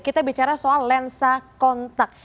kita bicara soal lensa kontak